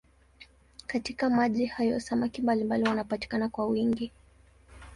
Katika maji hayo samaki mbalimbali wanapatikana kwa wingi.